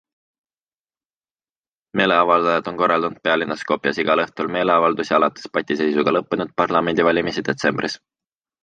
Meeleavaldajad on korraldanud pealinnas Skopjes igal õhtul meeleavaldusi alates patiseisuga lõppenud parlamendivalimisi detsembris.